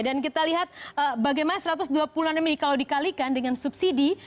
dan kita lihat bagaimana satu ratus dua puluh an ini kalau dikalikan dengan subsidi